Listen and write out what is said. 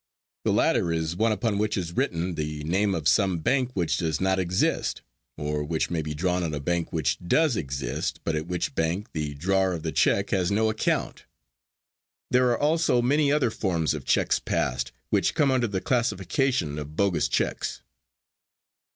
The latter is one upon which is written the name of some bank which does not exist, or which may be drawn on a bank which does exist but at which bank the drawer of the check has no account. There are also many other forms of checks passed which come under the classification of bogus checks.